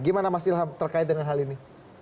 gimana mas ilham terkait dengan hal ini